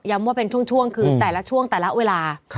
ว่าเป็นช่วงคือแต่ละช่วงแต่ละเวลา